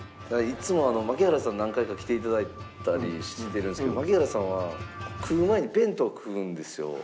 いつも槙原さん何回か来ていただいたりしてるんですけど槙原さんは食う前に弁当食うんですよ。